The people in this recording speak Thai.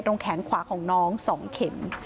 แขนขวาของน้อง๒เข็ม